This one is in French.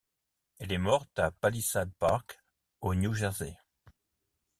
Elle est morte à Palisades Park, au New Jersey.